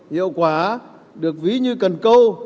hiệu quả được ví như cần câu